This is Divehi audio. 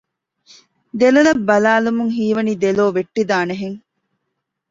ދެލޮލަށް ބަލާލުމުން ހީވަނީ ދެލޯ ވެއްޓިދާނެ ހެން